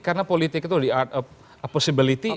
karena politik itu di art of possibility